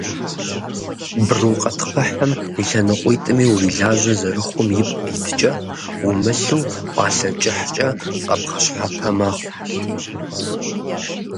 Брукъэтхъыхьым и лъэныкъуитӏми урилажьэ зэрыхъум ипкъ иткӏэ, умылъу пӏалъэ кӏыхькӏэ къэбгъэщхьэпэ мэхъу.